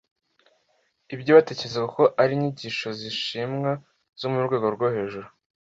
Ibyo batekerezaga ko ari inyigisho zishimwa zo mu rwego rwo hejuru,